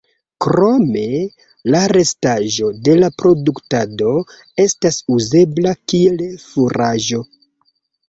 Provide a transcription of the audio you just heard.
Krome la restaĵo de la produktado estas uzebla kiel furaĝo.